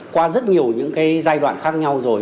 qua rất nhiều những cái giai đoạn khác nhau rồi